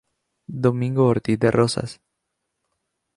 Domingo Ortiz de Rozas.